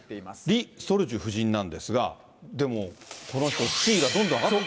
リ・ソルジュ夫人なんですが、でも、この人、地位がどんどん上そう、